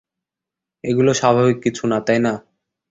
এগুলো স্বাভাবিক কিছু না, তাই না?